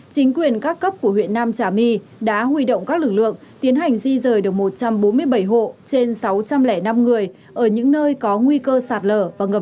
chính quyền các cấp của huyện nam trà my đã huy động các lực lượng tiến hành di rời được một trăm bốn mươi bảy hộ trên sáu trăm linh năm người ở những nơi có nguy cơ sạt lở và ngập